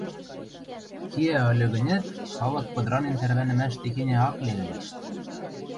Кеӓ ыльы гӹнят, халык пыдыранен тӓрвӓнӹмӓш техеньӹ ак ли ыльы.